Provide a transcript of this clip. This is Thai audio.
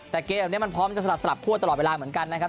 แต่เกมแบบนี้มันพร้อมจะสลับสลับคั่วตลอดเวลาเหมือนกันนะครับ